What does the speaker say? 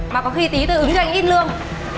mà có khi tí tôi ứng cho anh ít lương